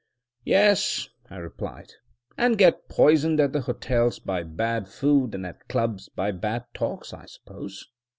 "Yes," I replied, "and get poisoned at the hotels by bad food and at the clubs by bad talk, I suppose.